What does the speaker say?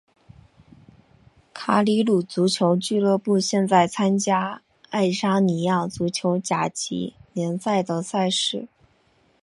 卡里鲁足球俱乐部现在参加爱沙尼亚足球甲级联赛的赛事。